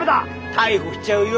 逮捕しちゃうよ。